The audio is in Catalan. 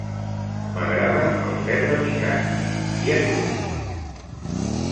M'agrada el pebre picant, i a tu?